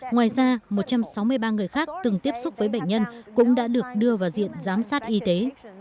ngoài ra một trăm sáu mươi ba người khác từng tiếp xúc với bệnh nhân cũng đã được đưa vào diện giám sát y tế